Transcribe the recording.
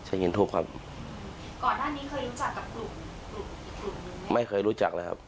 ก่อนหน้านี้เคยรู้จักกับกลุ่มไม่เคยรู้จักเลยครับ